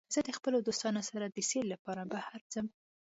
زه د خپلو دوستانو سره د سیل لپاره بهر ځم.